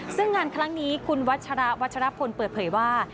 ซึ่งงานครั้งนี้คุณวัชระวัชรพลเปิดเผยว่า